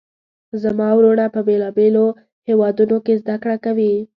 زما وروڼه په بیلابیلو هیوادونو کې زده کړه کوي